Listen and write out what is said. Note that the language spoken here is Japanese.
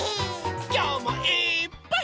きょうもいっぱい。